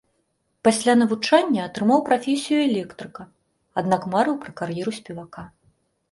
Пасля навучання атрымаў прафесію электрыка, аднак марыў пра кар'еру спевака.